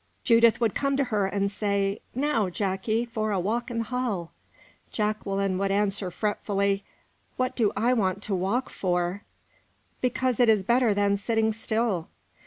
Judith would come to her and say, "Now, Jacky, for a walk in the hall!" Jacqueline would answer fretfully: "What do I want to walk for?" "Because it is better than sitting still."